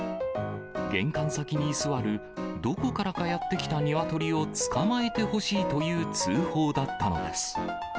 玄関先に居座るどこからかやって来たニワトリを捕まえてほしいという通報だったのです。